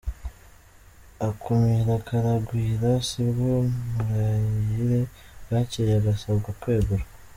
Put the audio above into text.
Akumiro karagwira sibwo Murayire bwacyeye agasabwa kwegura!